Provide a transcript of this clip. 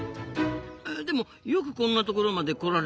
でもよくこんなところまで来られましたなあ。